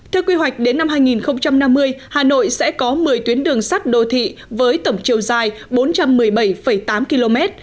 theo quy hoạch đến năm hai nghìn năm mươi hà nội sẽ có một mươi tuyến đường sắt đô thị với tổng chiều dài bốn trăm một mươi bảy tám km